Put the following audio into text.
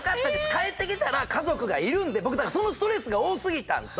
帰ってきたら家族がいるんで僕はそのストレスが多すぎたんと